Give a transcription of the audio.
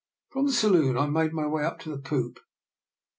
From the saloon I made my way up to the poop.